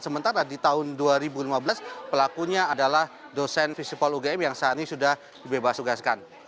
sementara di tahun dua ribu lima belas pelakunya adalah dosen visi polugm yang saat ini sudah dibebasugaskan